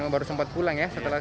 baru sempat pulang ya setelah